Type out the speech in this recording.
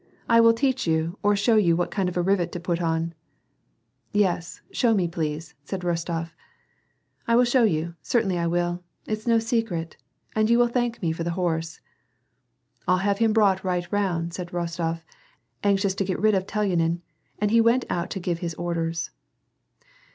I will teach you or show you what kind of a rivet to put on." " Yes, show me please," said Rostof. " I will show you, certainly I will ; it's no secret. And you will thank me for the horse." " I'll have him brought right round," said Rostof, anxious to get rid of Telyanin, and went out to give his orders.